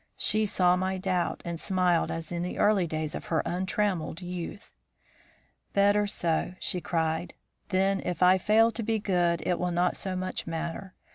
"She saw my doubt and smiled as in the early days of her untrammelled youth. "'Better so,' she cried; 'then if I fail to be good it will not so much matter.